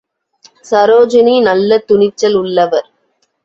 சரோஜினி நல்ல துணிச்சல் உள்ளவர்.